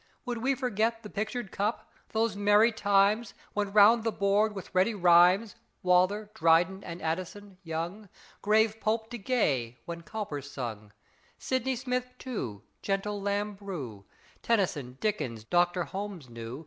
Would we forget The pictured cup; those merry times, When round the board, with ready rhymes Waller, Dryden, and Addison Young, Grave Pope to Gay, when Cowper sung? Sydney Smith, too; gentle Lamb brew, Tennyson, Dickens, Doctor Holmes knew.